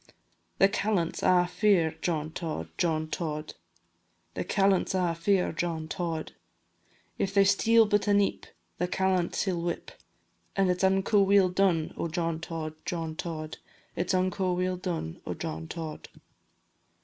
The callants a' fear John Tod, John Tod, The callants a' fear John Tod; If they steal but a neep, The callant he 'll whip, And it 's unco weel done o' John Tod, John Tod, It 's unco weel done o' John Tod.